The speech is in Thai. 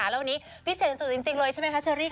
แล้ววันนี้พิเศษสุดจริงเลยใช่ไหมคะเชอรี่ค่ะ